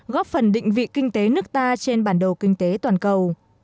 góp phần định vị kinh tế nước ta trên bản đồ kinh tế toàn cầu